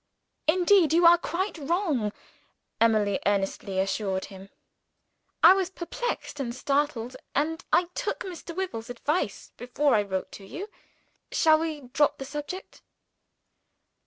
"Indeed you are quite wrong!" Emily earnestly assured him. "I was perplexed and startled and I took Mr. Wyvil's advice, before I wrote to you. Shall we drop the subject?"